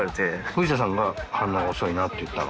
フジタさんが「反応が遅いな」って言ったの？